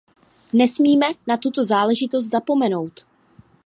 Nesmíme na tuto záležitost zapomenout.